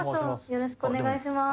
よろしくお願いします。